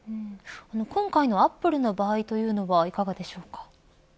今回のアップルの場合というのはいかがでしょうか。